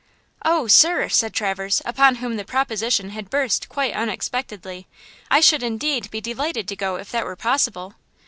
"Oh, sir!" said Traverse, upon whom the proposition had burst quite unexpectedly, "I should indeed be delighted to go if that were possible."